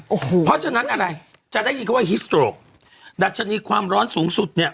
โอ้โหเพราะฉะนั้นอะไรจะได้ยินคำว่าฮิสโตรกดัชนีความร้อนสูงสุดเนี่ย